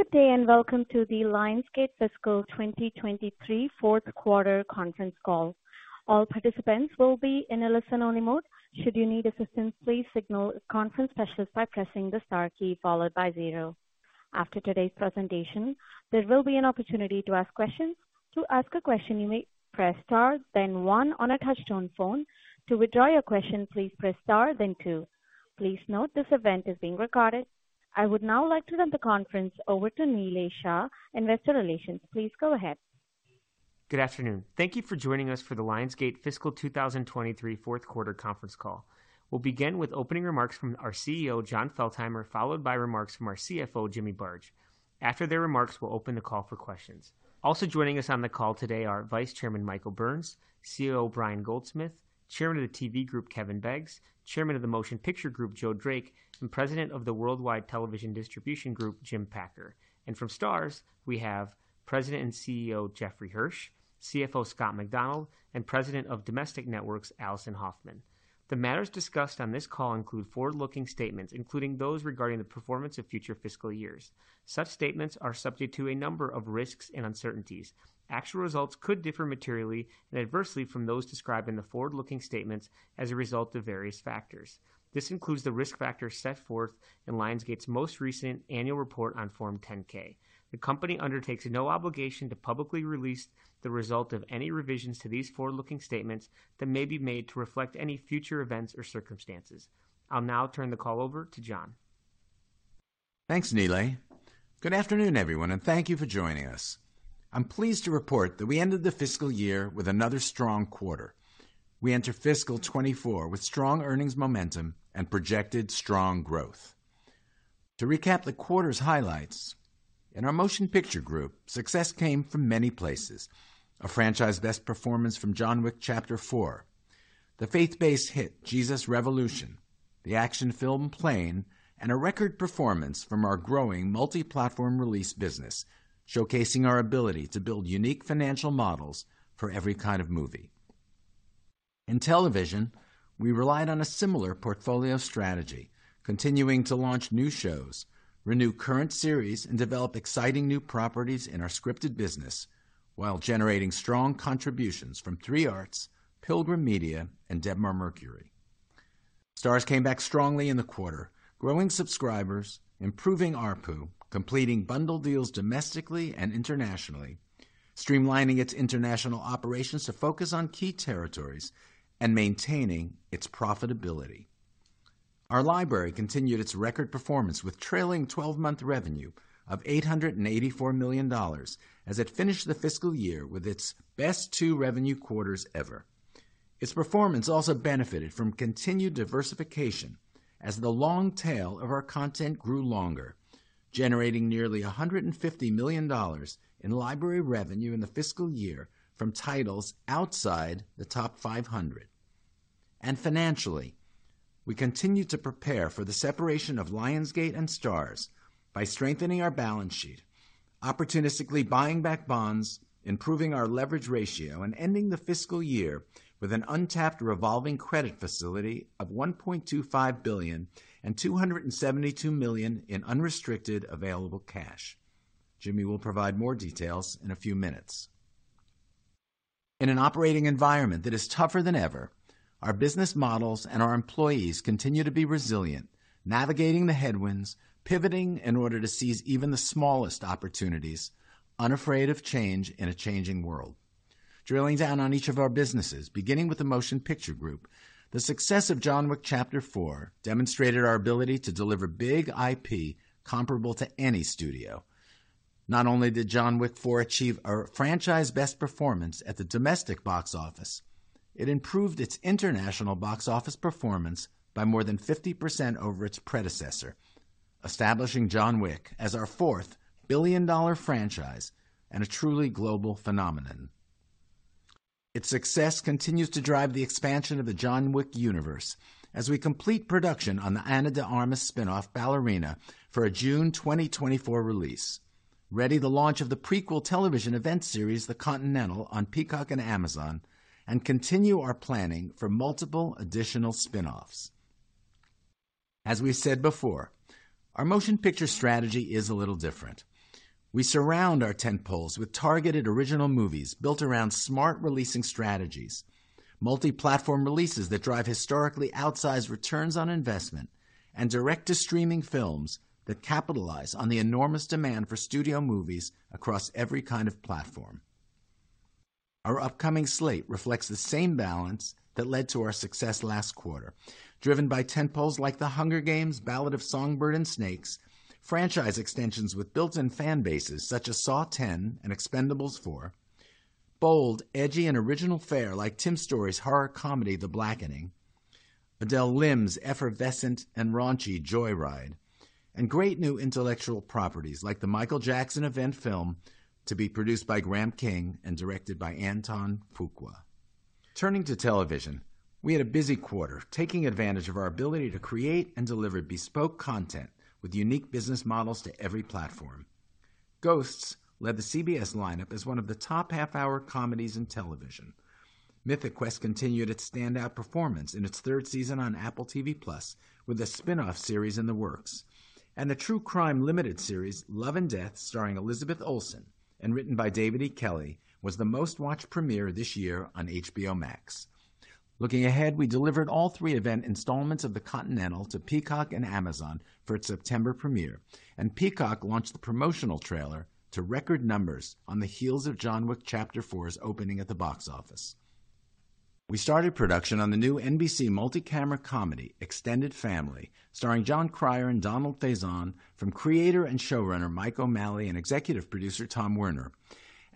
Good day, and welcome to the Lionsgate Fiscal 2023 Q4 conference call. All participants will be in a listen-only mode. Should you need assistance, please signal a conference specialist by pressing the star key followed by zero. After today's presentation, there will be an opportunity to ask questions. To ask a question, you may press Star, then one on a touchtone phone. To withdraw your question, please press star, then two. Please note, this event is being recorded. I would now like to turn the conference over to Nilay Shah, Investor Relations. Please go ahead. Good afternoon. Thank you for joining us for the Lionsgate Fiscal 2023 Q4 conference call. We'll begin with opening remarks from our CEO, Jon Feltheimer, followed by remarks from our CFO, Jimmy Barge. After their remarks, we'll open the call for questions. Also joining us on the call today are Vice Chairman Michael Burns, COO Brian Goldsmith, Chairman of the TV Group, Kevin Beggs, Chairman of the Motion Picture Group, Joe Drake, and President of the Worldwide Television Distribution Group, Jim Packer. And from Starz, we have President and CEO Jeffrey Hirsch, CFO Scott McDonald, and President of Domestic Networks, Alison Hoffman. The matters discussed on this call include forward-looking statements, including those regarding the performance of future fiscal years. Such statements are subject to a number of risks and uncertainties. Actual results could differ materially and adversely from those described in the forward-looking statements as a result of various factors. This includes the risk factors set forth in Lionsgate's most recent Annual Report on Form 10-K. The company undertakes no obligation to publicly release the result of any revisions to these forward-looking statements that may be made to reflect any future events or circumstances. I'll now turn the call over to Jon. Thanks, Nilay. Good afternoon, everyone, and thank you for joining us. I'm pleased to report that we ended the fiscal year with another strong quarter. We enter fiscal 2024 with strong earnings momentum and projected strong growth. To recap the quarter's highlights, in our Motion Picture group, success came from many places. A franchise-best performance from John Wick: Chapter 4, the faith-based hit Jesus Revolution, the action film Plane, and a record performance from our growing multi-platform release business, showcasing our ability to build unique financial models for every kind of movie. In television, we relied on a similar portfolio strategy, continuing to launch new shows, renew current series, and develop exciting new properties in our scripted business, while generating strong contributions from 3 Arts, Pilgrim Media, and Debmar-Mercury. Starz came back strongly in the quarter, growing subscribers, improving ARPU, completing bundle deals domestically and internationally, streamlining its international operations to focus on key territories, and maintaining its profitability. Our library continued its record performance with trailing twelve-month revenue of $884 million as it finished the fiscal year with its best two revenue quarters ever. Its performance also benefited from continued diversification as the long tail of our content grew longer, generating nearly $150 million in library revenue in the fiscal year from titles outside the top 500. And financially, we continued to prepare for the separation of Lionsgate and Starz by strengthening our balance sheet, opportunistically buying back bonds, improving our leverage ratio, and ending the fiscal year with an untapped revolving credit facility of $1.25 billion and $272 million in unrestricted available cash. Jimmy will provide more details in a few minutes. In an operating environment that is tougher than ever, our business models and our employees continue to be resilient, navigating the headwinds, pivoting in order to seize even the smallest opportunities, unafraid of change in a changing world. Drilling down on each of our businesses, beginning with the Motion Picture Group, the success of John Wick: Chapter 4 demonstrated our ability to deliver big IP comparable to any studio. Not only did John Wick 4 achieve a franchise-best performance at the domestic box office, it improved its international box office performance by more than 50% over its predecessor, establishing John Wick as our fourth billion-dollar franchise and a truly global phenomenon. Its success continues to drive the expansion of the John Wick universe as we complete production on the Ana de Armas spin-off, Ballerina, for a June 2024 release. Ready the launch of the prequel television event series, The Continental, on Peacock and Amazon, and continue our planning for multiple additional spin-offs. As we've said before, our motion picture strategy is a little different. We surround our tentpoles with targeted original movies built around smart releasing strategies, multi-platform releases that drive historically outsized returns on investment, and direct-to-streaming films that capitalize on the enormous demand for studio movies across every kind of platform. Our upcoming slate reflects the same balance that led to our success last quarter, driven by tentpoles like The Hunger Games: The Ballad of Songbirds & Snakes, franchise extensions with built-in fan bases such as Saw X and Expend4bles, bold, edgy, and original fare like Tim Story's horror comedy, The Blackening, Adele Lim's effervescent and raunchy Joy Ride, and great new intellectual properties like the Michael Jackson event film to be produced by Graham King and directed by Antoine Fuqua. Turning to television, we had a busy quarter, taking advantage of our ability to create and deliver bespoke content with unique business models to every platform. Ghosts led the CBS lineup as one of the top half-hour comedies in television. Mythic Quest continued its standout performance in its third season on Apple TV+, with a spin-off series in the works. And the true crime limited series, Love & Death, starring Elizabeth Olsen and written by David E. Kelley, was the most-watched premiere this year on HBO Max. Looking ahead, we delivered all three event installments of The Continental to Peacock and Amazon for its September premiere, and Peacock launched the promotional trailer to record numbers on the heels of John Wick: Chapter 4's opening at the box office. We started production on the new NBC multi-camera comedy, Extended Family, starring Jon Cryer and Donald Faison, from creator and showrunner Mike O'Malley and executive producer Tom Werner.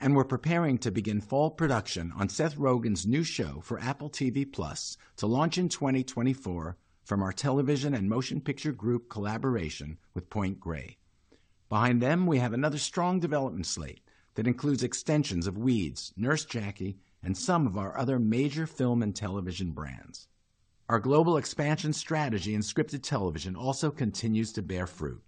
We're preparing to begin fall production on Seth Rogen's new show for Apple TV+ to launch in 2024 from our television and motion picture group collaboration with Point Grey. Behind them, we have another strong development slate that includes extensions of Weeds, Nurse Jackie, and some of our other major film and television brands. Our global expansion strategy in scripted television also continues to bear fruit.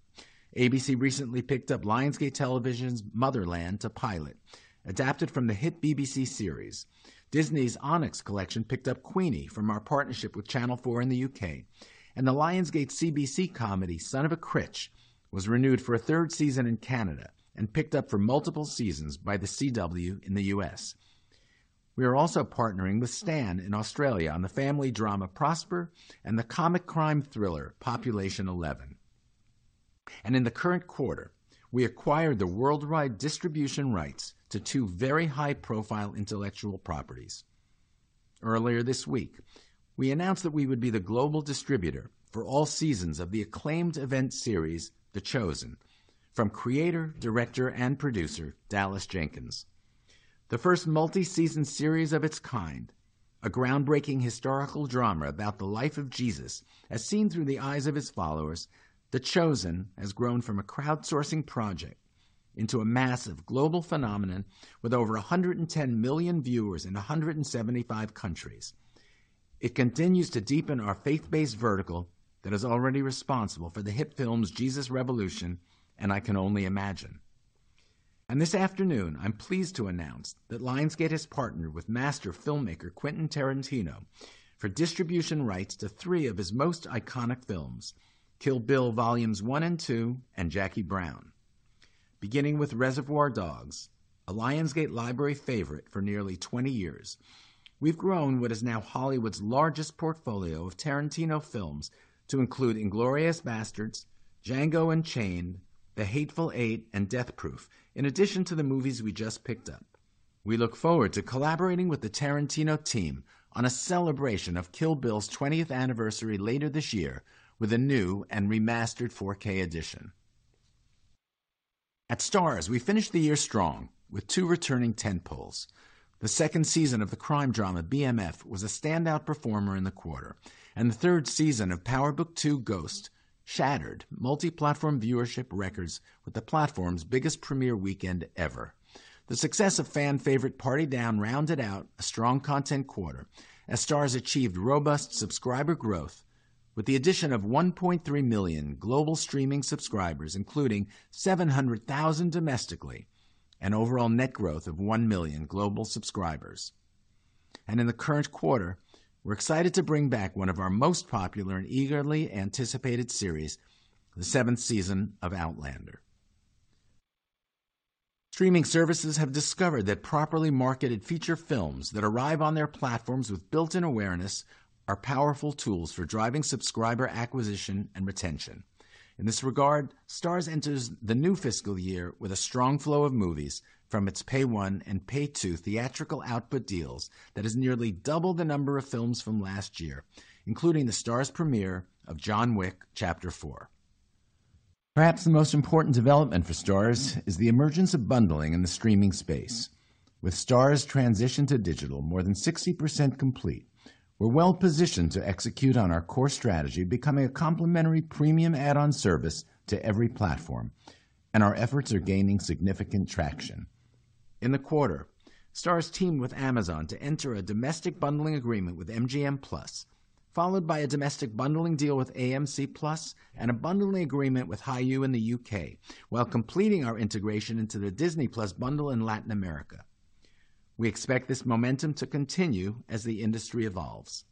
ABC recently picked up Lionsgate Television's Motherland to pilot, adapted from the hit BBC series. Disney's Onyx Collective picked up Queenie from our partnership with Channel 4 in the U.K., and the Lionsgate CBC comedy, Son of a Critch, was renewed for a third season in Canada and picked up for multiple seasons by The CW in the U.S. We are also partnering with Stan in Australia on the family drama Prosper and the comic crime thriller Population 11. In the current quarter, we acquired the worldwide distribution rights to two very high-profile intellectual properties. Earlier this week, we announced that we would be the global distributor for all seasons of the acclaimed event series, The Chosen, from creator, director, and producer Dallas Jenkins. The first multi-season series of its kind, a groundbreaking historical drama about the life of Jesus, as seen through the eyes of his followers. The Chosen has grown from a crowdsourcing project into a massive global phenomenon, with over 110 million viewers in 175 countries. It continues to deepen our faith-based vertical that is already responsible for the hit films Jesus Revolution and I Can Only Imagine. This afternoon, I'm pleased to announce that Lionsgate has partnered with master filmmaker Quentin Tarantino for distribution rights to three of his most iconic films, Kill Bill Volumes 1 and 2, and Jackie Brown. Beginning with Reservoir Dogs, a Lionsgate library favorite for nearly 20 years, we've grown what is now Hollywood's largest portfolio of Tarantino films to include Inglourious Basterds, Django Unchained, The Hateful Eight, and Death Proof, in addition to the movies we just picked up. We look forward to collaborating with the Tarantino team on a celebration of Kill Bill's 20th anniversary later this year with a new and remastered 4K edition. At Starz, we finished the year strong with two returning tentpoles. The 2nd season of the crime drama BMF was a standout performer in the quarter, and the 3rd season of Power Book II: Ghost, shattered multi-platform viewership records with the platform's biggest premiere weekend ever. The success of fan-favorite Party Down rounded out a strong content quarter as Starz achieved robust subscriber growth with the addition of $1.3 million global streaming subscribers, including $700,000 domestically, and overall net growth of $1 million global subscribers. In the current quarter, we're excited to bring back one of our most popular and eagerly anticipated series, the seventh season of Outlander. Streaming services have discovered that properly marketed feature films that arrive on their platforms with built-in awareness are powerful tools for driving subscriber acquisition and retention. In this regard, Starz enters the new fiscal year with a strong flow of movies from its Pay One and Pay Two theatrical output deals that is nearly double the number of films from last year, including the Starz premiere of John Wick: Chapter 4. Perhaps the most important development for Starz is the emergence of bundling in the streaming space. With Starz's transition to digital more than 60% complete, we're well-positioned to execute on our core strategy, becoming a complementary premium add-on service to every platform, and our efforts are gaining significant traction. In the quarter, Starz teamed with Amazon to enter a domestic bundling agreement with MGM+, followed by a domestic bundling deal with AMC+ and a bundling agreement with Hayu in the UK, while completing our integration into the Disney+ bundle in Latin America. We expect this momentum to continue as the industry evolves.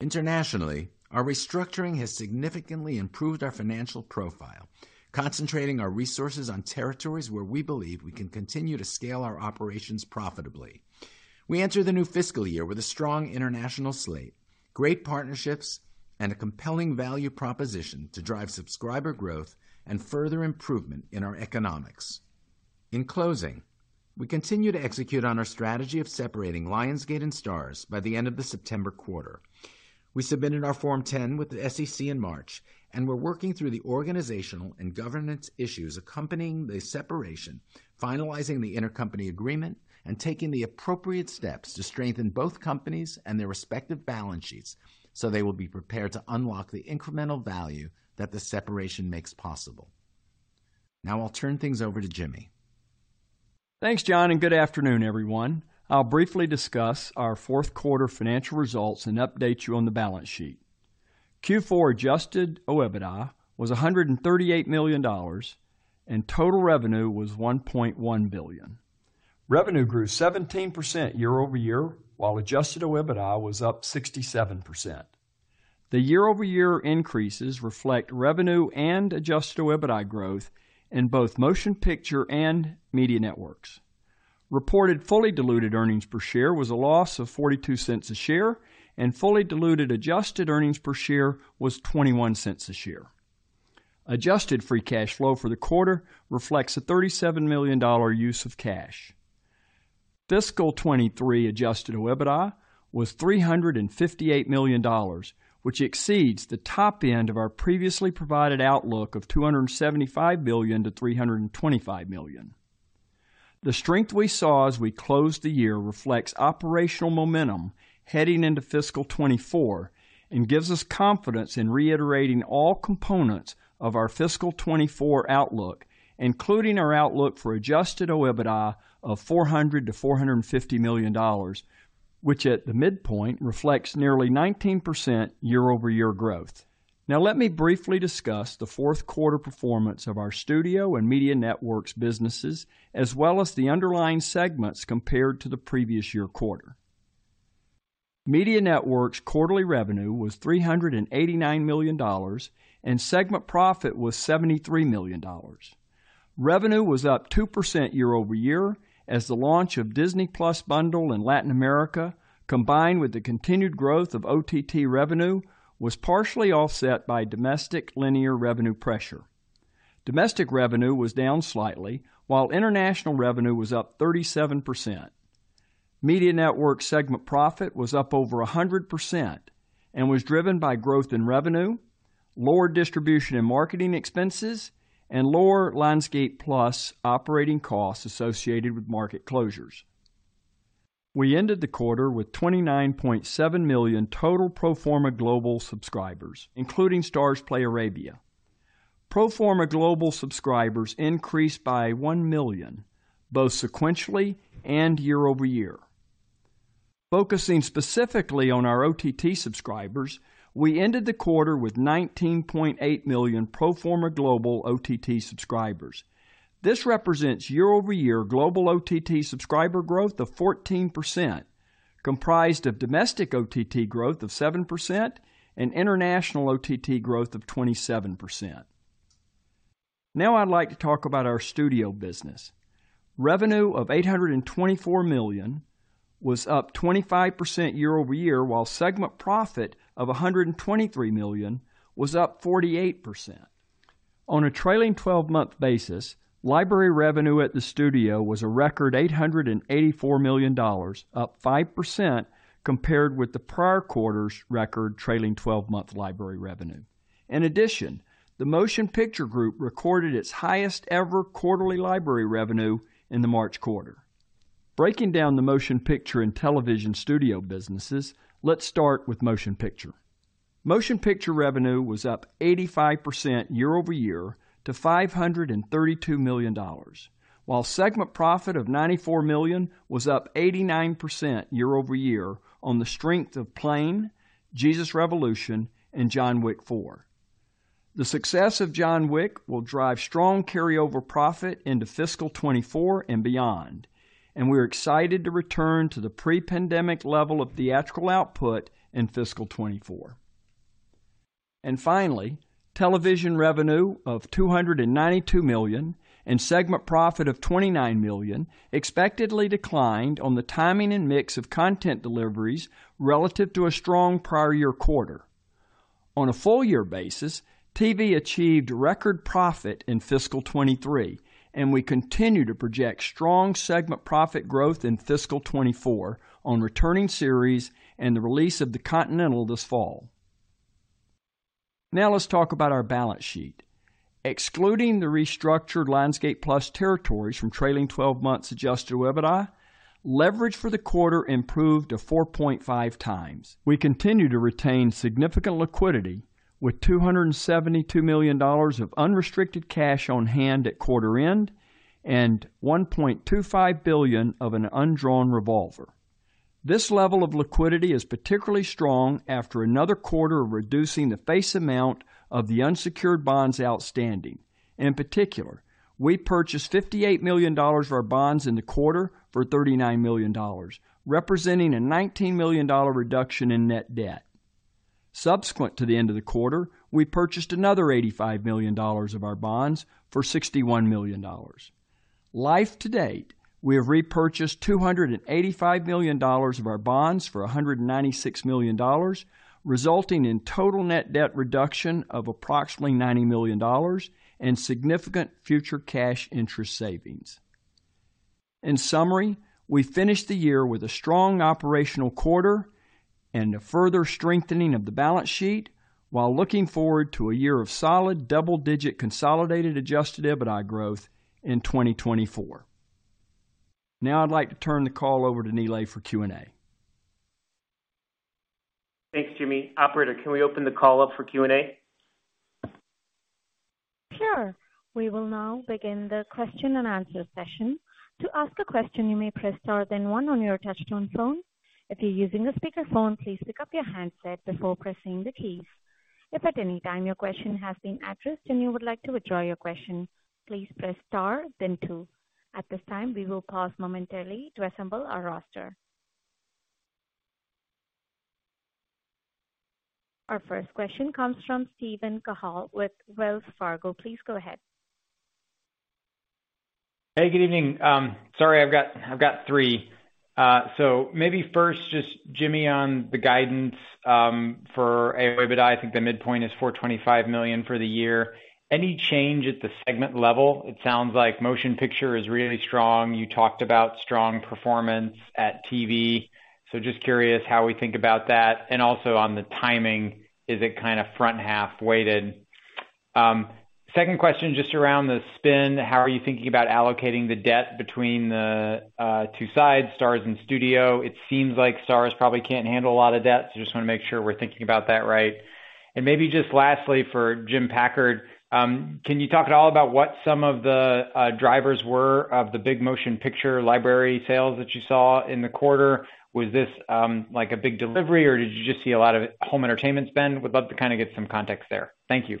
Internationally, our restructuring has significantly improved our financial profile, concentrating our resources on territories where we believe we can continue to scale our operations profitably. We enter the new fiscal year with a strong international slate, great partnerships, and a compelling value proposition to drive subscriber growth and further improvement in our economics. In closing, we continue to execute on our strategy of separating Lionsgate and Starz by the end of the September quarter. We submitted our Form 10 with the SEC in March, we're working through the organizational and governance issues accompanying the separation, finalizing the intercompany agreement, and taking the appropriate steps to strengthen both companies and their respective balance sheets, they will be prepared to unlock the incremental value that the separation makes possible. I'll turn things over to Jimmy. Thanks, Jon, good afternoon, everyone. I'll briefly discuss our Q4 financial results and update you on the balance sheet. Q4 adjusted OIBDA was $138 million, and total revenue was $1.1 billion. Revenue grew 17% year-over-year, while adjusted OIBDA was up 67%. The year-over-year increases reflect revenue and adjusted OIBDA growth in both Motion Picture and Media Networks. Reported fully diluted earnings per share was a loss of $0.42 a share, and fully diluted adjusted earnings per share was $0.21 a share. Adjusted free cash flow for the quarter reflects a $37 million use of cash. Fiscal 2023 adjusted OIBDA was $358 million, which exceeds the top end of our previously provided outlook of $275 billion to $325 million. The strength we saw as we closed the year reflects operational momentum heading into fiscal 2024 and gives us confidence in reiterating all components of our fiscal 2024 outlook, including our outlook for adjusted OIBDA of $400 million-$450 million, which at the midpoint reflects nearly 19% year-over-year growth. Let me briefly discuss the Q4 performance of our studio and Media Networks businesses, as well as the underlying segments compared to the previous year quarter. Media Networks quarterly revenue was $389 million, and segment profit was $73 million. Revenue was up 2% year-over-year, as the launch of Disney+ bundle in Latin America, combined with the continued growth of OTT revenue, was partially offset by domestic linear revenue pressure. Domestic revenue was down slightly, while international revenue was up 37%. Media Networks segment profit was up over 100% and was driven by growth in revenue, lower distribution and marketing expenses, and lower Lionsgate+ operating costs associated with market closures. We ended the quarter with 29.7 million total pro forma global subscribers, including Starzplay Arabia. Pro forma global subscribers increased by 1 million, both sequentially and year-over-year. Focusing specifically on our OTT subscribers, we ended the quarter with 19.8 million pro forma global OTT subscribers. This represents year-over-year global OTT subscriber growth of 14%, comprised of domestic OTT growth of 7% and international OTT growth of 27%. Now I'd like to talk about our studio business. Revenue of $824 million was up 25% year-over-year, while segment profit of $123 million was up 48%. On a trailing-twelve-month basis, library revenue at the studio was a record $884 million, up 5% compared with the prior quarter's record trailing-twelve-month library revenue. In addition, the Motion Picture Group recorded its highest ever quarterly library revenue in the March quarter. Breaking down the motion picture and television studio businesses, let's start with motion picture. Motion picture revenue was up 85% year-over-year to $532 million, while segment profit of $94 million was up 89% year-over-year on the strength of Plane, Jesus Revolution, and John Wick 4. The success of John Wick will drive strong carryover profit into fiscal 2024 and beyond. We're excited to return to the pre-pandemic level of theatrical output in fiscal 2024. And finally, television revenue of $292 million and segment profit of $29 million expectedly declined on the timing and mix of content deliveries relative to a strong prior-year quarter. On a full-year basis, TV achieved record profit in fiscal 2023. And we continue to project strong segment profit growth in fiscal 2024 on returning series and the release of The Continental this fall. Now, let's talk about our balance sheet. Excluding the restructured Lionsgate+ territories from trailing-12-months adjusted OIBDA, leverage for the quarter improved to 4.5x. We continue to retain significant liquidity, with $272 million of unrestricted cash on hand at quarter end and $1.25 billion of an undrawn revolver. This level of liquidity is particularly strong after another quarter of reducing the face amount of the unsecured bonds outstanding. In particular, we purchased $58 million of our bonds in the quarter for $39 million, representing a $19 million reduction in net debt. Subsequent to the end of the quarter, we purchased another $85 million of our bonds for $61 million. Life to date, we have repurchased $285 million of our bonds for $196 million, resulting in total net debt reduction of approximately $90 million and significant future cash interest savings. In summary, we finished the year with a strong operational quarter and a further strengthening of the balance sheet, while looking forward to a year of solid double-digit consolidated Adjusted OIBDA growth in 2024. Now I'd like to turn the call over to Nilay for Q&A. Thanks, Jimmy. Operator, can we open the call up for Q&A? Sure. We will now begin the question and answer session. To ask a question, you may press star, then one on your touchtone phone. If you're using a speakerphone, please pick up your handset before pressing the keys. If at any time your question has been addressed and you would like to withdraw your question, please press star, then two. At this time, we will pause momentarily to assemble our roster. Our first question comes from Steven Cahall with Wells Fargo. Please go ahead. Hey, good evening. Sorry, I've got three. So, maybe first, just Jimmy, on the guidance for EBITDA, I think the midpoint is $425 million for the year. Any change at the segment level? It sounds like motion picture is really strong. You talked about strong performance at TV. So just curious how we think about that, and also on the timing, is it kind of front-half weighted? Second question, just around the spin. How are you thinking about allocating the debt between the two sides, Starz and Studio? It seems like Starz probably can't handle a lot of debt, just want to make sure we're thinking about that right. And maybe just lastly, for Jim Packer, can you talk at all about what some of the drivers were of the big motion picture library sales that you saw in the quarter? Was this, like a big delivery, or did you just see a lot of home entertainment spend? Would love to kinda get some context there. Thank you.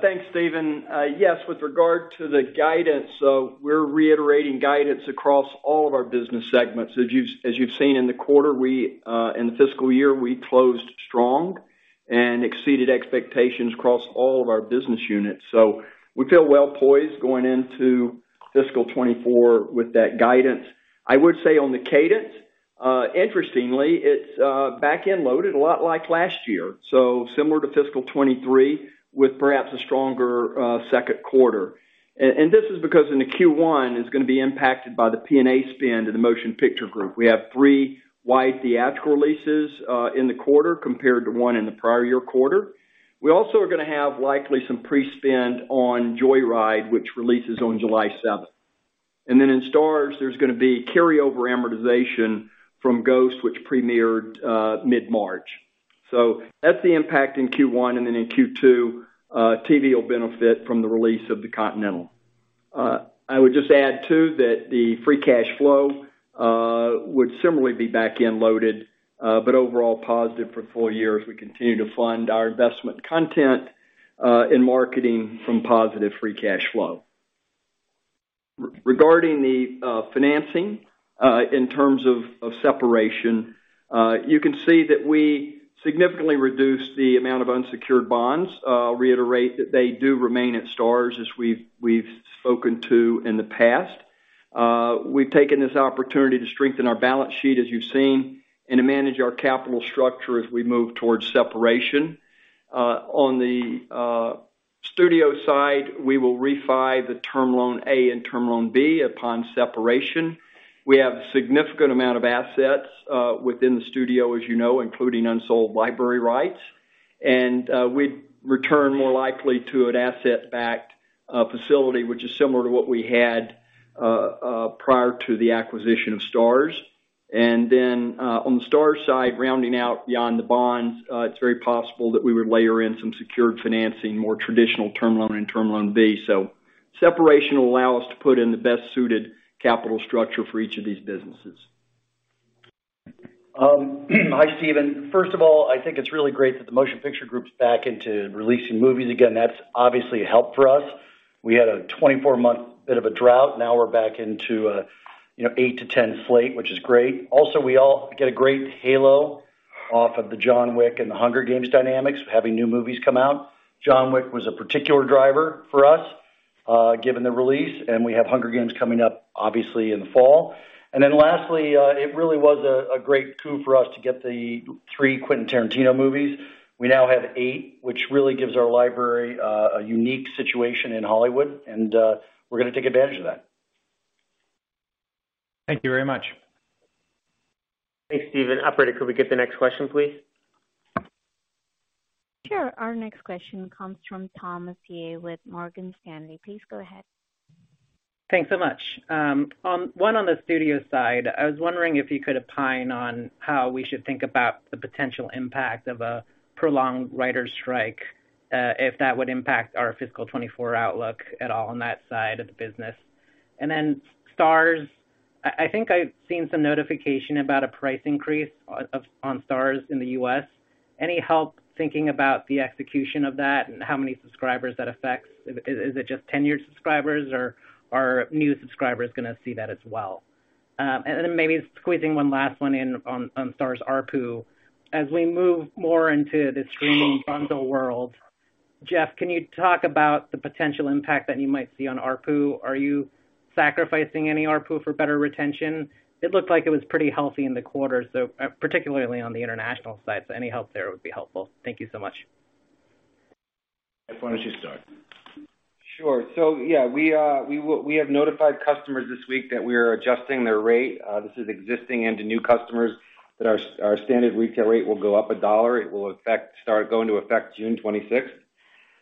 Thanks, Steven. Yes, with regard to the guidance, we're reiterating guidance across all of our business segments. As you've seen in the quarter, in the fiscal year, we closed strong and exceeded expectations across all of our business units. So we feel well poised going into fiscal 2024 with that guidance. I would say on the cadence, interestingly, it's back-end loaded, a lot like last year, similar to fiscal 2023, with perhaps a stronger Q2. This is because in the Q1, it's gonna be impacted by the P&A spend in the motion picture group. We have three wide theatrical releases in the quarter, compared to one in the prior year quarter. We also are gonna have likely some pre-spend on Joy Ride, which releases on July 7th. And then in Starz, there's gonna be carryover amortization from Ghost, which premiered mid-March. That's the impact in Q1. In Q2, TV will benefit from the release of The Continental. I would just add, too, that the free cash flow would similarly be back-end loaded, but overall positive for full year, as we continue to fund our investment content in marketing from positive free cash flow. Regarding the financing in terms of separation, you can see that we significantly reduced the amount of unsecured bonds. I'll reiterate that they do remain at Starz, as we've spoken to in the past. We've taken this opportunity to strengthen our balance sheet, as you've seen, and to manage our capital structure as we move towards separation. On the studio side, we will refi the Term Loan A and Term Loan B upon separation. We have a significant amount of assets within the studio, as you know, including unsold library rights. And we'd return more likely to an asset-backed facility, which is similar to what we had prior to the acquisition of Starz. And then on the Starz side, rounding out beyond the bonds, it's very possible that we would layer in some secured financing, more traditional Term Loan and Term Loan B. So separation will allow us to put in the best-suited capital structure for each of these businesses. Hi, Steven. First of all, I think it's really great that the Motion Picture Group's back into releasing movies again. That's obviously a help for us. We had a 24-month bit of a drought. Now we're back into a, you know, 8-10 slate, which is great. Also, we all get a great halo off of the John Wick and The Hunger Games dynamics, having new movies come out. John Wick was a particular driver for us, given the release, and we have Hunger Games coming up, obviously, in the fall. And then lastly, it really was a great coup for us to get the three Quentin Tarantino movies. We now have eight, which really gives our library a unique situation in Hollywood, and we're gonna take advantage of that. Thank you very much. Thanks, Steven. Operator, could we get the next question, please? Sure. Our next question comes from Thomas Yeh with Morgan Stanley. Please go ahead. Thanks so much. one, on the studio side, I was wondering if you could opine on how we should think about the potential impact of a prolonged writers' strike, if that would impact our fiscal 2024 outlook at all on that side of the business? And then Starz, I think I've seen some notification about a price increase on Starz in the U.S. Any help thinking about the execution of that and how many subscribers that affects? Is it just tenured subscribers, or are new subscribers gonna see that as well? And maybe squeezing one last one in on Starz ARPU. As we move more into the streaming bundle world, Jeff, can you talk about the potential impact that you might see on ARPU? Are you sacrificing any ARPU for better retention? It looked like it was pretty healthy in the quarter, so, particularly on the international side. Any help there would be helpful. Thank you so much. Jeff, why don't you start? Sure. So, yeah, we have notified customers this week that we are adjusting their rate. This is existing and to new customers, that our standard retail rate will go up $1. It will start going to effect June 26th.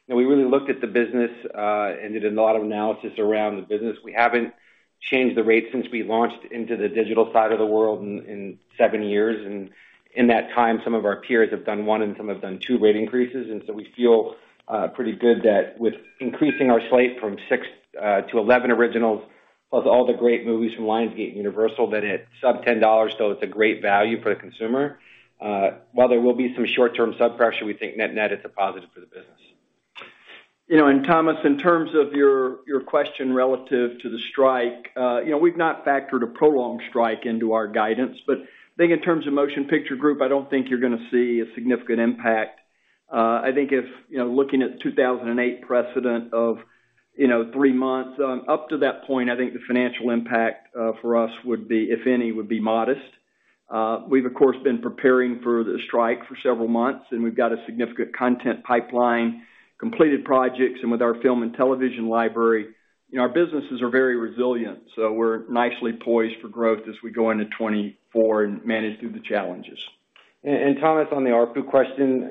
And we really looked at the business and did a lot of analysis around the business. We haven't changed the rate since we launched into the digital side of the world in seven years, and in that time, some of our peers have done one, and some have done two rate increases. So we feel pretty good that with increasing our slate from six to 11 originals plus all the great movies from Lionsgate and Universal, that at sub $10. It's a great value for the consumer. While there will be some short-term sub pressure, we think net-net is a positive for the business. You know, Thomas, in terms of your question relative to the strike, we've not factored a prolonged strike into our guidance. But I think in terms of Motion Picture Group, I don't think you're gonna see a significant impact. I think if, looking at 2008 precedent of, you know, three months, up to that point, I think the financial impact for us would be, if any, would be modest. We've, of course, been preparing for the strike for several months, and we've got a significant content pipeline, completed projects, and with our film and television library, our businesses are very resilient, so we're nicely poised for growth as we go into 2024 and manage through the challenges. And Thomas, on the ARPU question,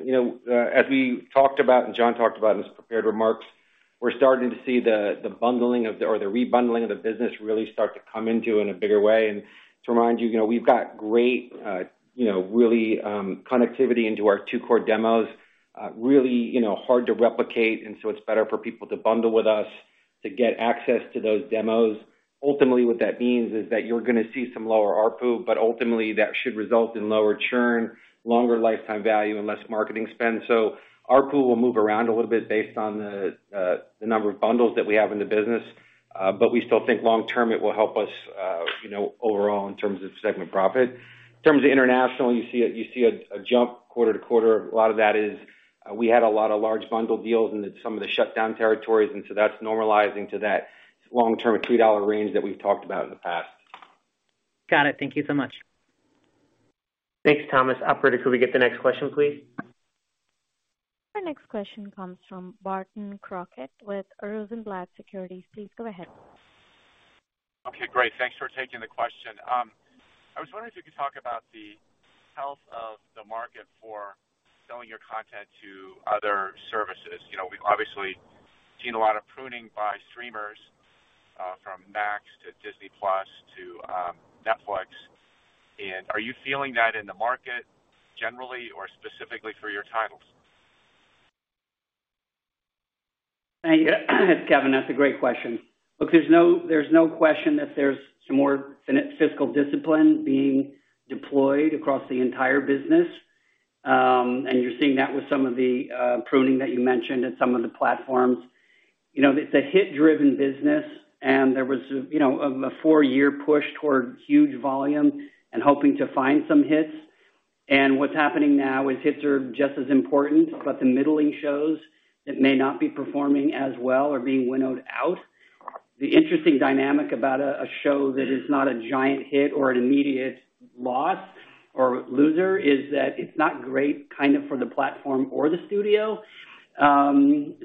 as we talked about and Jon talked about in his prepared remarks, we're starting to see the rebundling of the business really start to come into in a bigger way. To remind you, we've got great, really, connectivity into our two core demos, really, hard to replicate, and so it's better for people to bundle with us to get access to those demos. Ultimately, what that means is that you're gonna see some lower ARPU, but ultimately, that should result in lower churn, longer lifetime value, and less marketing spend. ARPU will move around a little bit based on the number of bundles that we have in the business. We still think long term, it will help us, you know, overall in terms of segment profit. In terms of international, you see a jump quarter to quarter. A lot of that is, we had a lot of large bundle deals in some of the shutdown territories. That's normalizing to that long-term $2 range that we've talked about in the past. Got it. Thank you so much. Thanks, Thomas. Operator, could we get the next question, please? Our next question comes from Barton Crockett with Rosenblatt Securities. Please go ahead. Okay, great. Thanks for taking the question. I was wondering if you could talk about the health of the market for selling your content to other services. You know, we've obviously seen a lot of pruning by streamers, from Max to Disney+ to Netflix. And are you feeling that in the market generally or specifically for your titles? Thank you. Kevin, that's a great question. Look, there's no question that there's some more finite fiscal discipline being deployed across the entire business. And you're seeing that with some of the pruning that you mentioned and some of the platforms. You know, it's a hit-driven business, there was, you know, a four-year push toward huge volume and hoping to find some hits. And what's happening now is hits are just as important, but the middling shows that may not be performing as well are being winnowed out. The interesting dynamic about a show that is not a giant hit or an immediate loss or loser, is that it's not great kind of for the platform or the studio.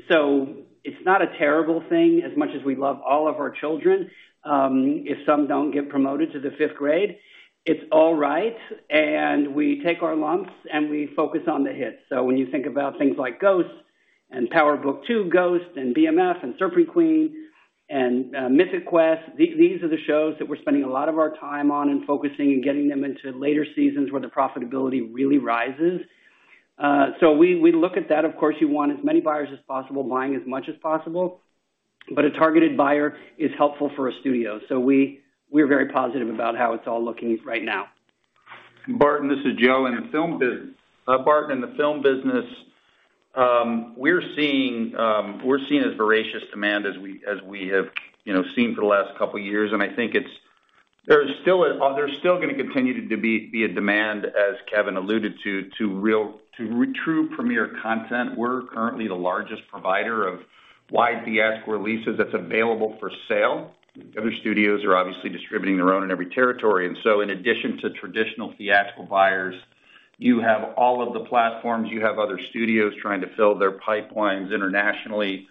So, it's not a terrible thing, as much as we love all of our children, if some don't get promoted to the fifth grade, it's all right, and we take our lumps, and we focus on the hits. When you think about things like Ghosts and Power Book II: Ghosts and BMF and Serpent Queen and Mythic Quest, these are the shows that we're spending a lot of our time on and focusing and getting them into later seasons where the profitability really rises. We look at that. Of course, you want as many buyers as possible, buying as much as possible, but a targeted buyer is helpful for a studio. We're very positive about how it's all looking right now. Barton, this is Joe. In the film business, Barton, we're seeing as voracious demand as we have, you know, seen for the last couple of years. I think there is still a, there's still gonna continue to be a demand, as Kevin alluded to true premier content. We're currently the largest provider of wide theatrical releases that's available for sale. Other studios are obviously distributing their own in every territory. In addition to traditional theatrical buyers, you have all of the platforms, you have other studios trying to fill their pipelines internationally.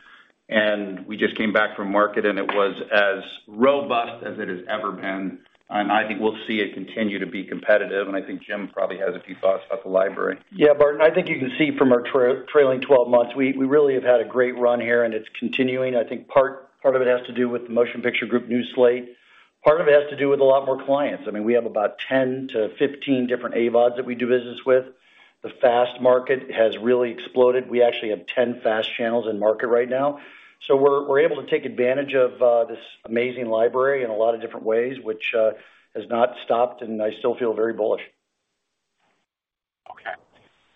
And we just came back from market, and it was as robust as it has ever been. I think we'll see it continue to be competitive. I think Jim probably has a few thoughts about the library. Yeah, Barton, I think you can see from our trailing 12 months, we really have had a great run here, and it's continuing. I think part of it has to do with the Motion Picture Group new slate. Part of it has to do with a lot more clients. I mean, we have about 10-15 different AVODs that we do business with. The FAST market has really exploded. We actually have 10 FAST channels in market right now. We're able to take advantage of this amazing library in a lot of different ways, which has not stopped, and I still feel very bullish. Okay.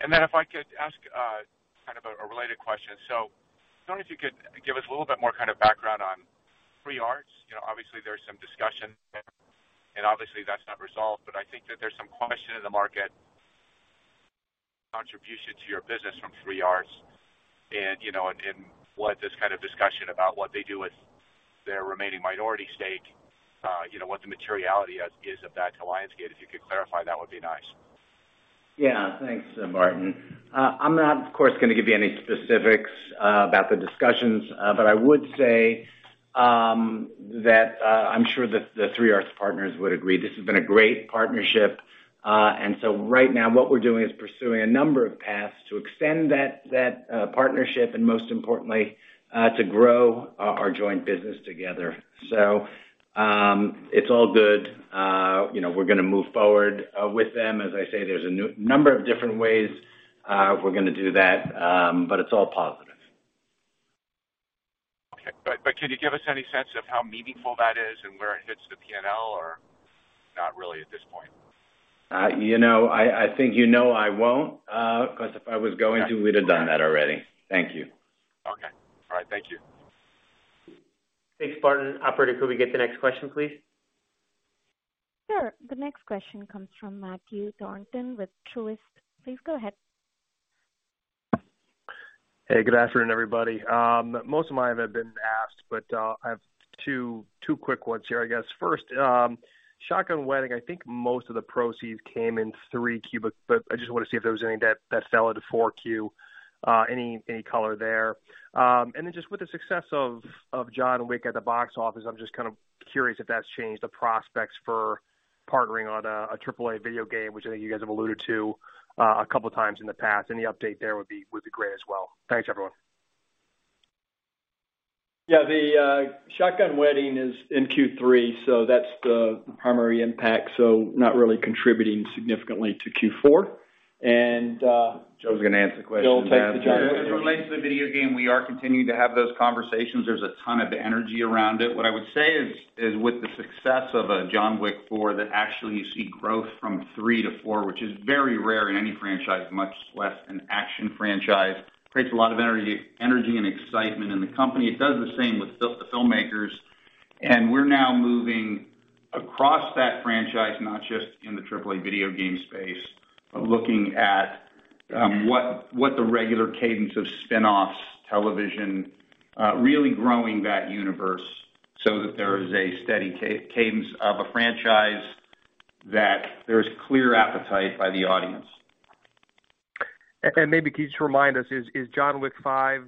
If I could ask, kind of a related question. I was wondering if you could give us a little bit more kind of background on 3 Arts. You know, obviously there's some discussion, and obviously that's not resolved, but I think that there's some question in the market contribution to your business from 3 Arts. And, y ou know, what this kind of discussion about what they do with their remaining minority stake, you know, what the materiality is of that to Lionsgate. If you could clarify, that would be nice. Yeah. Thanks, Barton. I'm not, of course, gonna give you any specifics about the discussions, but I would say that I'm sure that the 3 Arts partners would agree this has been a great partnership. And so, right now, what we're doing is pursuing a number of paths to extend that partnership, and most importantly, to grow our joint business together. It's all good.... you know, we're gonna move forward with them. As I say, there's a number of different ways we're gonna do that, but it's all positive. Okay. Can you give us any sense of how meaningful that is and where it hits the P&L, or not really at this point? You know, I think you know I won't, 'cause if I was going to, we'd have done that already. Thank you. Okay. All right, thank you. Thanks, Barton. Operator, could we get the next question, please? Sure. The next question comes from Matthew Thornton with Truist. Please go ahead. Hey, good afternoon, everybody. Most of mine have been asked, but I have two quick ones here, I guess. First, Shotgun Wedding, I think most of the proceeds came in 3Q, but I just wanna see if there was any that fell into 4Q, any color there. Then just with the success of John Wick at the box office, I'm just kind of curious if that's changed the prospects for partnering on a AAA video game, which I think you guys have alluded to a couple times in the past. Any update there would be great as well. Thanks, everyone. Yeah, The Shotgun Wedding is in Q3, so that's the primary impact, so not really contributing significantly to Q4. Joe's gonna answer the question. Joe will take the- As it relates to the video game, we are continuing to have those conversations. There's a ton of energy around it. What I would say is with the success of John Wick 4, that actually you see growth from 3 to 4, which is very rare in any franchise, much less an action franchise. Creates a lot of energy and excitement in the company. It does the same with the filmmakers, and we're now moving across that franchise, not just in the AAA video game space, but looking at what the regular cadence of spinoffs, television, really growing that universe so that there is a steady cadence of a franchise, that there's clear appetite And by the audience. And maybe can you just remind us, is John Wick 5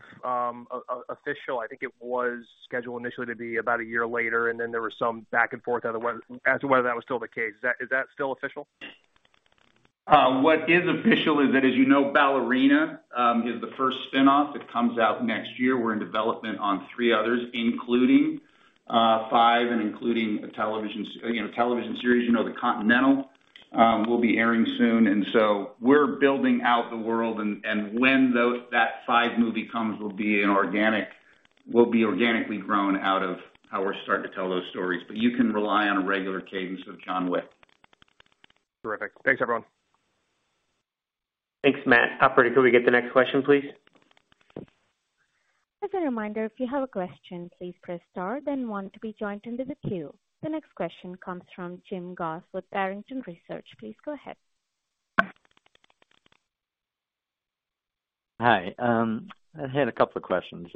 official? I think it was scheduled initially to be about a year later, and then there was some back and forth as to whether that was still the case. Is that still official? What is official is that, as you know, Ballerina is the first spinoff. It comes out next year. We're in development on three others, including 5 and including a television, you know, television series. You know, The Continental will be airing soon, we're building out the world, and when that 5 movie comes will be organically grown out of how we're starting to tell those stories. You can rely on a regular cadence of John Wick. Terrific. Thanks, everyone. Thanks, Matt. Operator, could we get the next question, please? As a reminder, if you have a question, please press star, then one to be joined into the queue. The next question comes from Jim Goss with Barrington Research. Please go ahead. Hi, I had a couple of questions.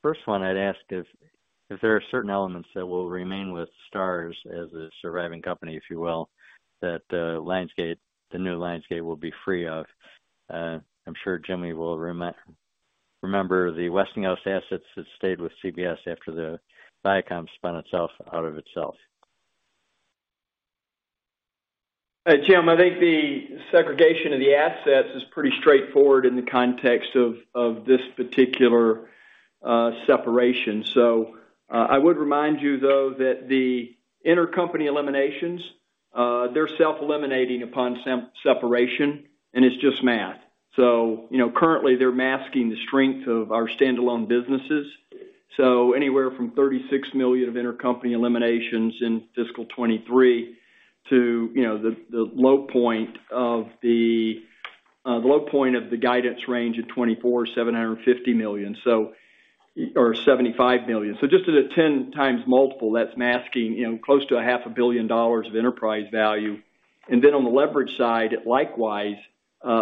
First one I'd ask is, if there are certain elements that will remain with Starz as a surviving company, if you will, that, Lionsgate, the new Lionsgate, will be free of? I'm sure Jimmy will remember the Westinghouse assets that stayed with CBS after the Viacom spun itself out of itself. Hey, Jim, I think the segregation of the assets is pretty straightforward in the context of this particular separation. So I would remind you, though, that the intercompany eliminations, they're self-eliminating upon separation, and it's just math. So, you know, currently, they're masking the strength of our standalone businesses. Anywhere from $36 million of intercompany eliminations in fiscal 2023 to, you know, the low point of the guidance range of $75 million. Just as a 10 times multiple, that's masking, you know, close to a half a billion dollars of enterprise value. And then on the leverage side, it likewise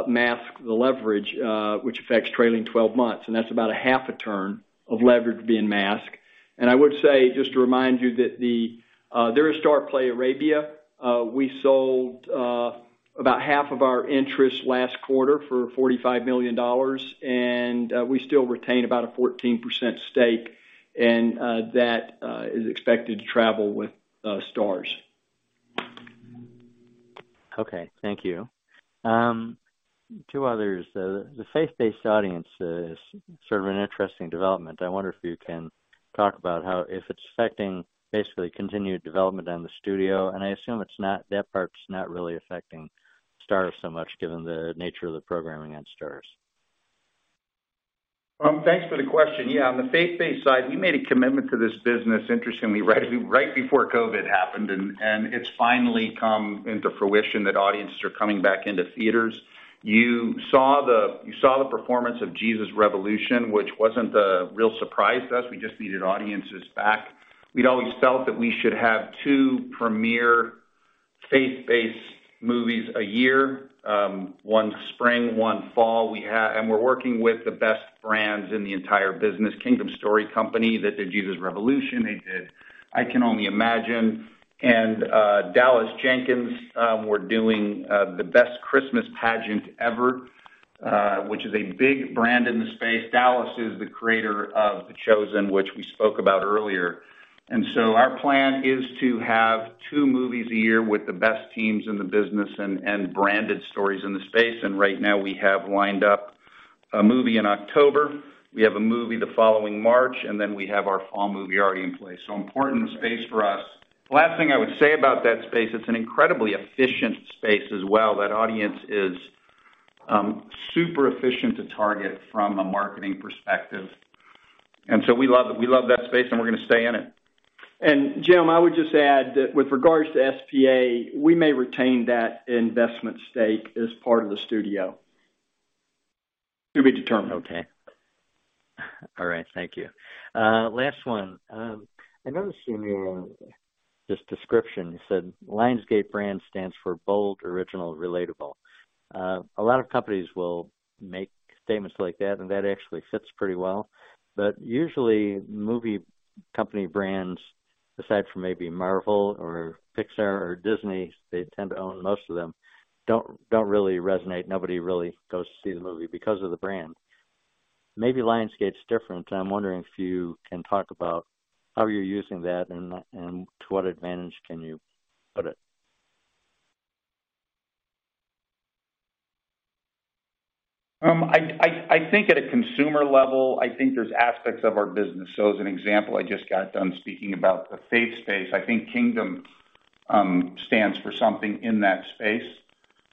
masks the leverage, which affects trailing 12 months, and that's about a half a turn of leverage being masked. And I would say, just to remind you, that the there is Starzplay Arabia. We sold about half of our interest last quarter for $45 million, and we still retain about a 14% stake, and that is expected to travel with Starz. Okay, thank you. Two others. The faith-based audience is sort of an interesting development. I wonder if you can talk about if it's affecting basically continued development in the studio, and I assume it's not, that part's not really affecting Starz so much, given the nature of the programming on Starz. Thanks for the question. Yeah, on the faith-based side, we made a commitment to this business, interestingly, right before COVID happened, and it's finally come into fruition that audiences are coming back into theaters. You saw the performance of Jesus Revolution, which wasn't a real surprise to us. We just needed audiences back. We'd always felt that we should have two premier faith-based movies a year, one spring, one fall. We're working with the best brands in the entire business, Kingdom Story Company, that did Jesus Revolution, they did I Can Only Imagine. And Dallas Jenkins, we're doing The Best Christmas Pageant Ever, which is a big brand in the space. Dallas is the creator of The Chosen, which we spoke about earlier. And so, our plan is to have two movies a year with the best teams in the business and branded stories in the space, and right now we have lined up a movie in October, we have a movie the following March, and then we have our fall movie already in place. Important space for us. The last thing I would say about that space, it's an incredibly efficient space as well. That audience is super efficient to target from a marketing perspective. We love that space, and we're going to stay in it. And Jim, I would just add that with regards to SPAC, we may retain that investment stake as part of the studio. To be determined. Okay. All right, thank you. Last one. I noticed in your, just description, you said Lionsgate brand stands for bold, original, relatable. A lot of companies will make statements like that actually fits pretty well. But usually movie company brands, aside from maybe Marvel or Pixar or Disney, they tend to own most of them, don't really resonate. Nobody really goes to see the movie because of the brand. Maybe Lionsgate's different, I'm wondering if you can talk about how you're using that and to what advantage can you put it? I think at a consumer level, I think there's aspects of our business. So as an example, I just got done speaking about the faith space. I think Kingdom stands for something in that space.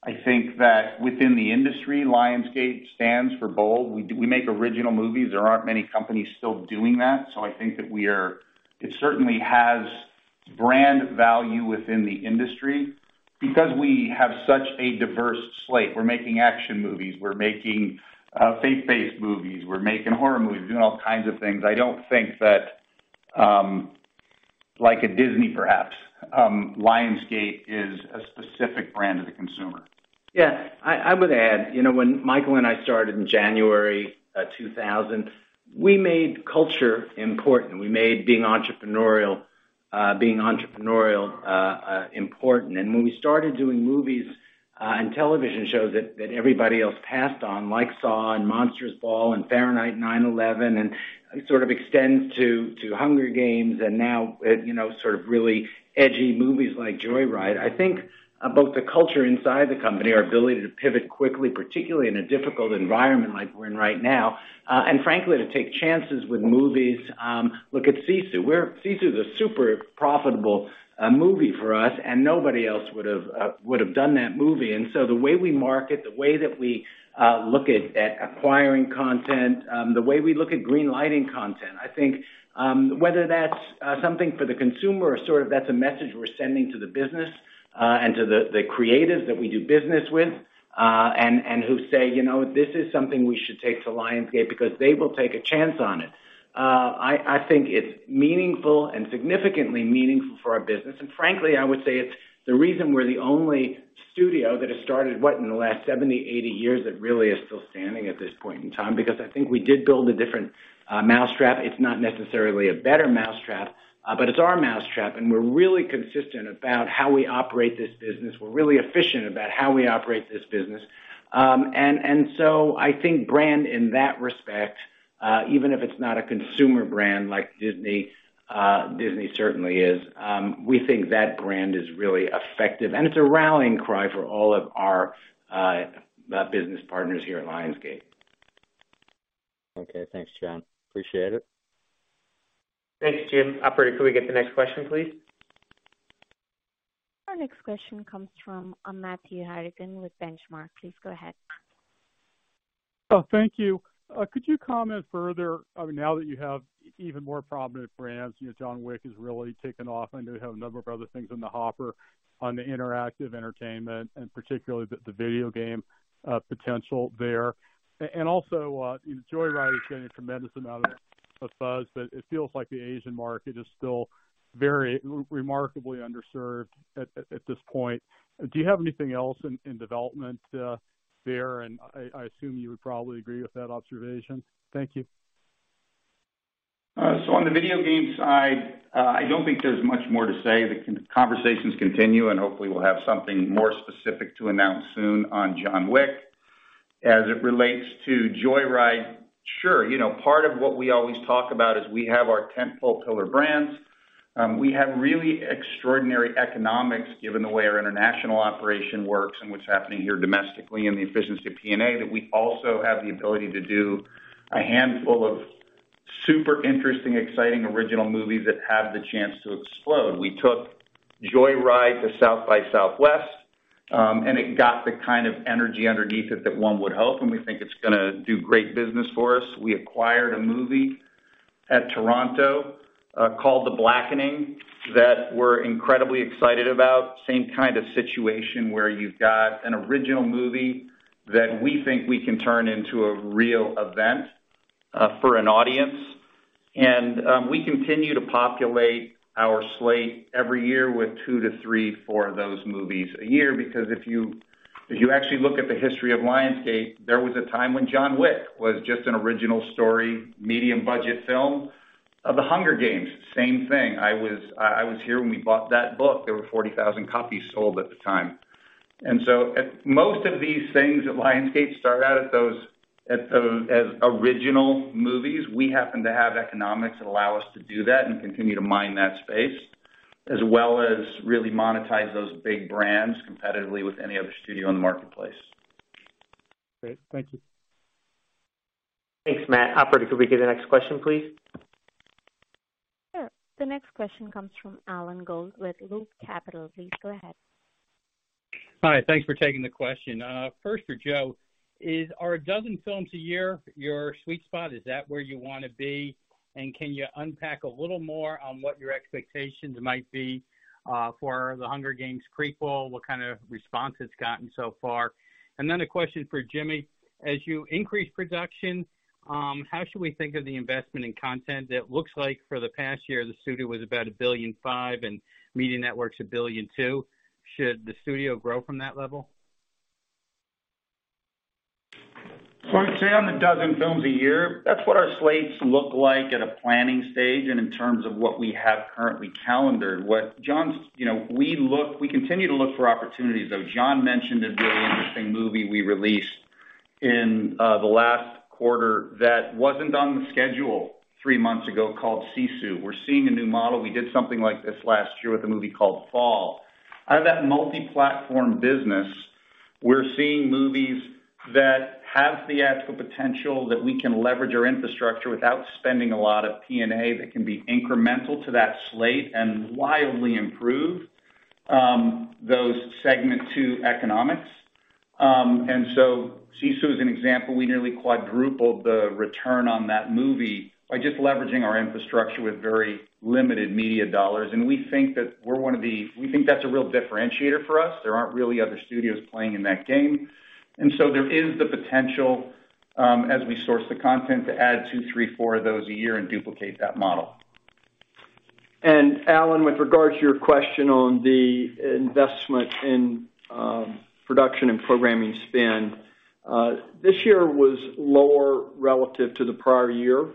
I think that within the industry, Lionsgate stands for bold. We make original movies. There aren't many companies still doing that, I think that it certainly has brand value within the industry. Because we have such a diverse slate, we're making action movies, we're making faith-based movies, we're making horror movies, doing all kinds of things. I don't think that, like a Disney, perhaps, Lionsgate is a specific brand to the consumer. Yeah. I would add, you know, when Michael and I started in January 2000, we made culture important. We made being entrepreneurial, being entrepreneurial important. When we started doing movies and television shows that everybody else passed on, like Saw and Monster's Ball and Fahrenheit 9/11, and it sort of extends to Hunger Games and now, you know, sort of really edgy movies like Joy Ride. I think about the culture inside the company, our ability to pivot quickly, particularly in a difficult environment like we're in right now, and frankly, to take chances with movies. Look at Sisu. Sisu is a super profitable movie for us, and nobody else would've done that movie. So the way we market, the way that we look at acquiring content, the way we look at green lighting content, I think, whether that's something for the consumer or sort of that's a message we're sending to the business, and to the creatives that we do business with, and who say, "You know, this is something we should take to Lionsgate because they will take a chance on it." I think it's meaningful and significantly meaningful for our business. And frankly, I would say it's the reason we're the only studio that has started, what, in the last 70, 80 years, that really is still standing at this point in time, because I think we did build a different mousetrap. It's not necessarily a better mousetrap, but it's our mousetrap, and we're really consistent about how we operate this business. We're really efficient about how we operate this business. And so I think brand in that respect, even if it's not a consumer brand like Disney, Disney certainly is, we think that brand is really effective, and it's a rallying cry for all of our business partners here at Lionsgate. Okay. Thanks, Jon. Appreciate it. Thanks, Jim. Operator, could we get the next question, please? Our next question comes from Matthew Harrigan with Benchmark. Please go ahead. Oh, thank you. Could you comment further, I mean, now that you have even more prominent brands, you know, John Wick has really taken off, I know you have a number of other things in the hopper on the interactive entertainment and particularly the video game potential there. And also, Joy Ride is getting a tremendous amount of buzz, but it feels like the Asian market is still very remarkably underserved at this point. Do you have anything else in development there? And I assume you would probably agree with that observation. Thank you. So on the video game side, I don't think there's much more to say. The conversations continue, and hopefully we'll have something more specific to announce soon on John Wick. As it relates to Joy Ride, sure, you know, part of what we always talk about is we have our tentpole pillar brands. We have really extraordinary economics, given the way our international operation works and what's happening here domestically and the efficiency of P&A, that we also have the ability to do a handful of super interesting, exciting, original movies that have the chance to explode. We took Joy Ride to South by Southwest, and it got the kind of energy underneath it that one would hope, and we think it's gonna do great business for us. We acquired a movie at Toronto, called The Blackening, that we're incredibly excited about. Same kind of situation, where you've got an original movie that we think we can turn into a real event for an audience. And we continue to populate our slate every year with two to three, four of those movies a year. If you actually look at the history of Lionsgate, there was a time when John Wick was just an original story, medium-budget film. The Hunger Games, same thing. I was here when we bought that book. There were 40,000 copies sold at the time. And so, most of these things at Lionsgate start out at those as original movies. We happen to have economics that allow us to do that and continue to mine that space as well as really monetize those big brands competitively with any other studio in the marketplace. Great. Thank you. Thanks, Matt. Operator, could we get the next question, please? Sure. The next question comes from Alan Gould with Loop Capital. Please go ahead. Hi, thanks for taking the question. First for Joe, are 12 films a year your sweet spot? Is that where you wanna be? Can you unpack a little more on what your expectations might be for The Hunger Games: Prequel, what kind of response it's gotten so far? And then a question for Jimmy: As you increase production, how should we think of the investment in content? It looks like for the past year, the studio was about $1.5 billion, and Media Networks, $1.2 billion. Should the studio grow from that level? I'd say on the 12 films a year, that's what our slates look like at a planning stage and in terms of what we have currently calendared. You know, we continue to look for opportunities, though. Jon mentioned a really interesting movie we released in the last quarter that wasn't on the schedule three months ago, called Sisu. We're seeing a new model. We did something like this last year with a movie called Fall. Out of that multi-platform business, we're seeing movies that have theatrical potential, that we can leverage our infrastructure without spending a lot of P&A, that can be incremental to that slate and wildly improve those segment 2 economics. Sisu is an example. We nearly quadrupled the return on that movie by just leveraging our infrastructure with very limited media dollars. And we think that's a real differentiator for us. There aren't really other studios playing in that game. And so, there is the potential, as we source the content, to add two, three, four of those a year and duplicate that model. And Alan, with regards to your question on the investment in production and programming spend, this year was lower relative to the prior year.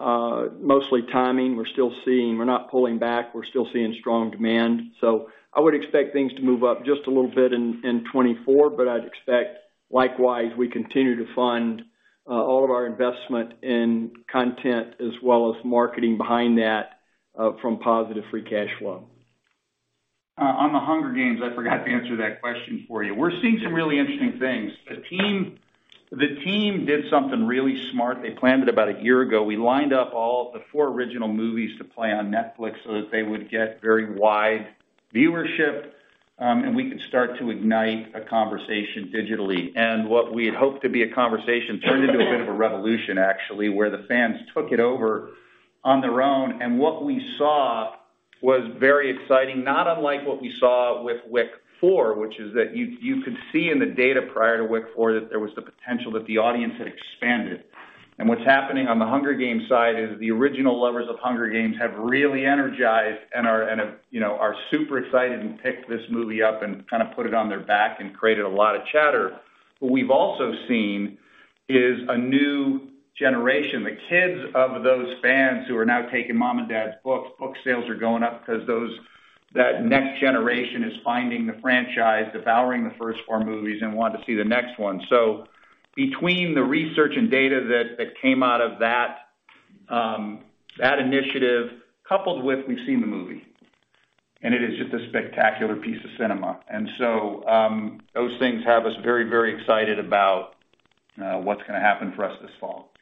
Mostly timing. We're still seeing, we're not pulling back. We're still seeing strong demand. So I would expect things to move up just a little bit in 2024, I'd expect, likewise, we continue to fund all of our investment in content as well as marketing behind that from positive free cash flow. On The Hunger Games, I forgot to answer that question for you. We're seeing some really interesting things. The team, the team did something really smart. They planned it about a year ago. We lined up all of the four original movies to play on Netflix so that they would get very wide viewership, and we could start to ignite a conversation digitally. And what we had hoped to be a conversation turned into a bit of a revolution, actually, where the fans took it over on their own. And wAnd hat we saw was very exciting, not unlike what we saw with Wick 4, which is that you could see in the data prior to Wick 4, that there was the potential that the audience had expanded. And what's happening on The Hunger Games side is the original lovers of Hunger Games have really energized and are, you know, super excited and picked this movie up and kind of put it on their back and created a lot of chatter. What we've also seen is a new generation. The kids of those fans who are now taking mom and dad's books. Book sales are going up because that next generation is finding the franchise, devouring the first four movies, and want to see the next one. So, between the research and data that came out of that initiative, coupled with we've seen the movie, and it is just a spectacular piece of cinema. And so, those things have us very, very excited about what's gonna happen for us this fall.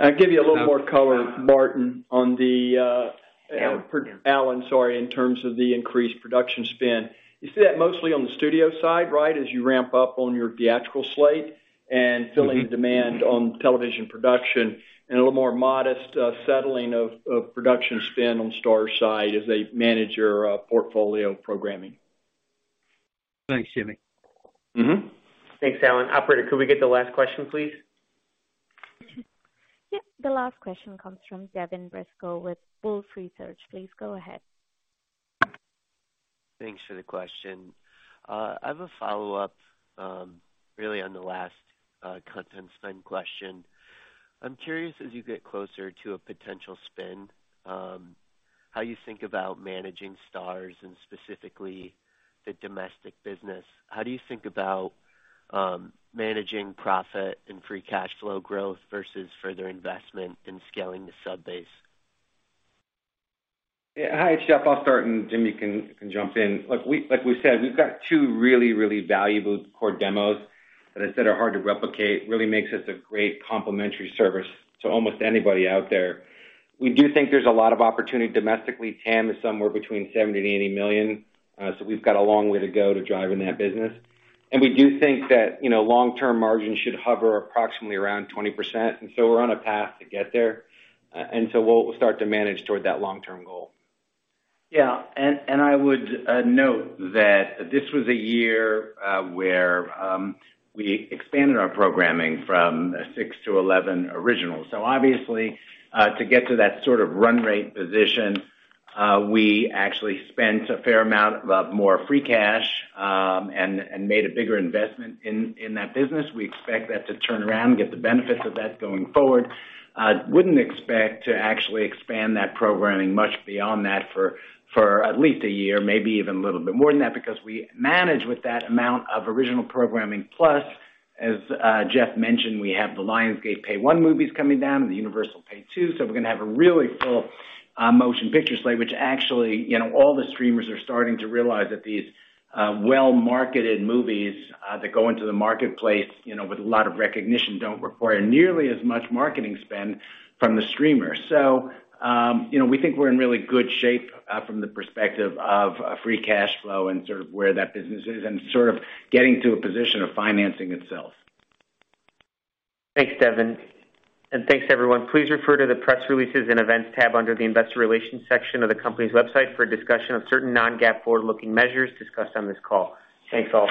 I'll give you a little more color, Martin, on the. Alan. Alan, sorry. In terms of the increased production spend. You see that mostly on the studio side, right, as you ramp up on your theatrical slate and filling demand on television production, and a little more modest, settling of production spend on Starz side as they manage your portfolio programming. Thanks, Jimmy. Mm-hmm. Thanks, Alan. Operator, could we get the last question, please? Yep. The last question comes from Devin Brisco with Wolfe Research. Please go ahead. Thanks for the question. I have a follow-up, really on the last content spend question. I'm curious, as you get closer to a potential spend, how you think about managing Starz and specifically the domestic business. How do you think about managing profit and free cash flow growth versus further investment in scaling the sub base? Yeah. Hi, it's Jeff. I'll start. Jimmy can jump in. Look, like we said, we've got two really, really valuable core demos that I said are hard to replicate, really makes us a great complementary service to almost anybody out there. We do think there's a lot of opportunity domestically. TAM is somewhere between $70 million-$80 million. We've got a long way to go to driving that business. And we do think that, you know, long-term margins should hover approximately around 20%. So we're on a path to get there. We'll start to manage toward that long-term goal. Yeah. And I would note that this was a year where we expanded our programming from six to 11 originals. Obviously, to get to that sort of run rate position, we actually spent a fair amount of more free cash and made a bigger investment in that business. We expect that to turn around and get the benefits of that going forward. Wouldn't expect to actually expand that programming much beyond that for at least a year, maybe even a little bit more than that, because we manage with that amount of original programming. Plus, as Jeff mentioned, we have the Lionsgate Pay 1 movies coming down and the Universal Pay 2, we're gonna have a really full motion picture slate. Which actually, you know, all the streamers are starting to realize that these well-marketed movies that go into the marketplace, you know, with a lot of recognition, don't require nearly as much marketing spend from the streamer. You know, we think we're in really good shape from the perspective of free cash flow and sort of where that business is, and sort of getting to a position of financing itself. Thanks, Devin, and thanks, everyone. Please refer to the Press Releases and Events tab under the Investor Relations section of the company's website for a discussion of certain non-GAAP forward-looking measures discussed on this call. Thanks, all.